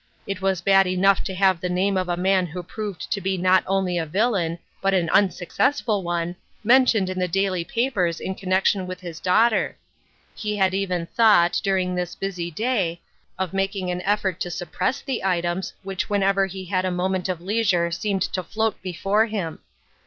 It was bad enough to have the name of a man who proved to be not only a villain, but an unsuccessful one, mentioned in the daily papers in connection with STORMY WEATHER. 221 his daughter. He had even thought, during this busy day, of making an effort to suppress the items which whenever he had a moment of leisure seemed to float before him.